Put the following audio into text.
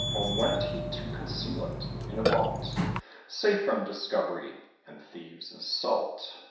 Home went he to conceal it in a vault, Safe from discovery and thieves' assault.